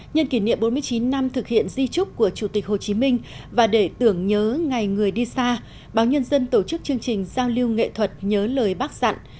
nhân kỷ niệm bốn mươi chín năm thực hiện di trúc của chủ tịch hồ chí minh và để tưởng nhớ ngày người đi xa báo nhân dân tổ chức chương trình giao lưu nghệ thuật nhớ lời bác dặn